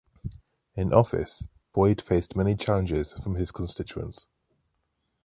In office, Boyd faced many challenges from his constituents.